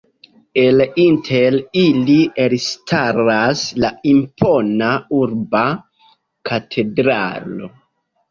El inter ili elstaras la impona urba katedralo.